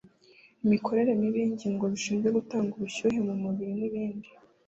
imikorere mibi y’ingingo zishinzwe gutanga ubushyuhe mu mubiri n’ibindi